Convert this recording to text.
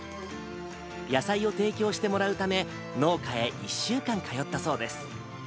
野菜を提供してもらうため、農家へ１週間通ったそうです。